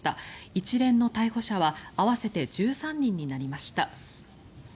一連の逮捕者は合わせて１３人になりました。